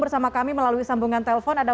bersama kami melalui sambungan telpon ada